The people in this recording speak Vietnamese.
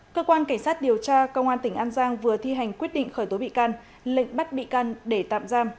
cơ quan cảnh sát điều tra công an tỉnh an giang vừa thi hành quyết định khởi tố bị can lệnh bắt bị can để tạm giam